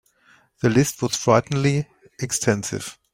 The list was frighteningly extensive.